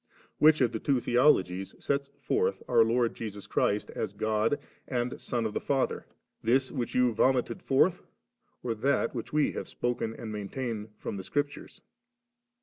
lo. Which of the two theologies sets forth our Lord Jesus Christ as God and Son of die Father, this which you vomited forth, or that which we have spoken and maintain fi om the Scriptures